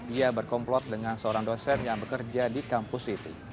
ia berkomplot dengan seorang dosen yang bekerja di kampus itu